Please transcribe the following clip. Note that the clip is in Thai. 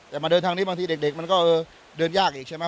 แต่มาเดินทางนี้บางทีเด็กมันก็เดินยากอีกใช่ไหม